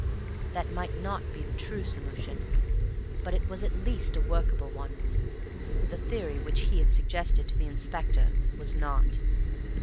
That might not be the true solution, but it was at least a workable one. The theory which he had suggested to the Inspector was not.